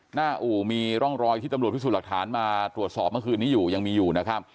หน้าอู่มีร่องรอยที่ตำรวจพิสูจน์หลักฐานมาตรวจสอบเมื่อคืนนี้ยังมีอยู่